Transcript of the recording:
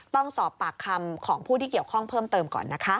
ต้องสอบปากคำของผู้ที่เกี่ยวข้องเพิ่มเติมก่อนนะคะ